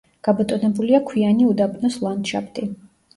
გაბატონებულია ქვიანი უდაბნოს ლანდშაფტი.